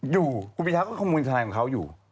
อยู่ภูปีชาก็ข้อมูลธนายของเขาอยู่